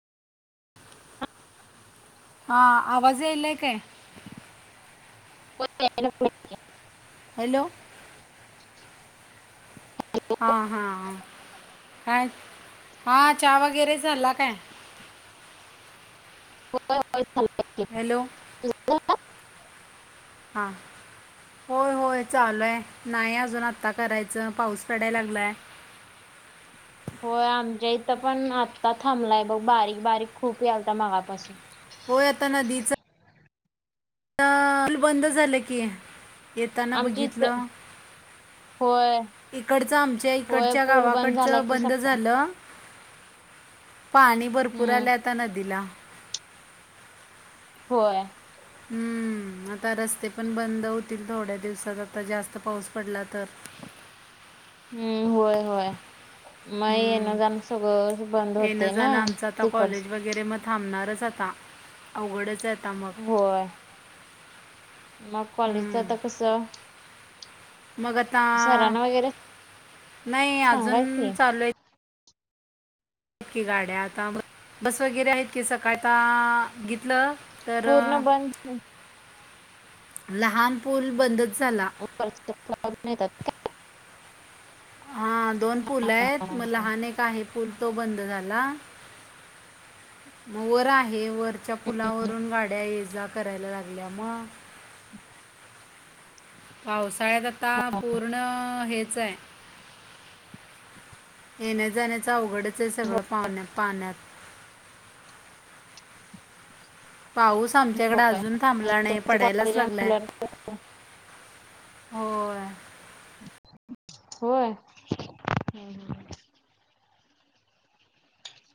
आ आवाज यायलंय काय? हो यायला लागलाय कि. हॅलो हा हा. ह हा चहा वगैरे झाला काय? [unintelligible] हॅलो हा होय होय चालू आहे नाही अजून आता करायचं पाऊस पडायला लागलाय होय आमच्या इथं पण आत्ता थांबलाय बघ बारीक बारीक खूप यालता मगापासून. होय आता नदीच आताल बंद झालं की येताना आमची इथ बघितलं. होय इकडचं आमच्या होय इकडच्या पूल बंद झाला गावाकडचं की बंद सका झालं. पाणी भरपूर हम्म आले आता नदीला. होय. हम्म. आता रस्ते पण बंद होतील थोड्या दिवसात आता जास्त पाऊस पडला तर. [inaudible] हम्म होय होय. मग हम्म, येन जाण सगळं बंद येणं होतंय ना जाणं तिकडचं. जाता अवघडच जात. होय. मग हम्म. कॉलेजचता कस? मग आता वगैरे नाही अजून सांगा की चालू आहे. आहेत की गाड्या आता बस वगैरे आहेत की सकाळता घेतलं. तर पूर्ण अं, बंद. लहान पूल बंद. [unintelligible] हा दोन पूल आहेत मग लहान एक आहे पूल तो बंद झाला. [unintelligible] मग वर आहे वरच्या पुलावरून गाड्या ये जा करायला लागल्या मग. [inaudible] पावसाळ्यात आता पूर्ण हेच आहे. येण्या जाण्याचं अवघडच आहे सगळं पाहण्या पाहण्यात. पाऊस आमच्याकडे अजून थांबला नाही तुमचं पडायलाच कॉलेज आहे लागलाय. म्हणल्यावर होय. होय हम्म हम्म.